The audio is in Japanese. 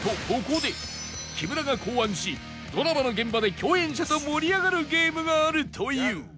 ここで木村が考案しドラマの現場で共演者と盛り上がるゲームがあるという